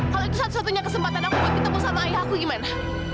kalau itu satu satunya kesempatan aku buat ketemu sama ayah aku gimana